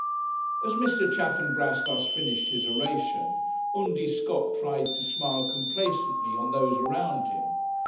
As Mr. Chaffanbrass thus finished his oration, Undy Scott tried to smile complacently on those around him.